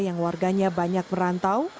yang warganya banyak merantau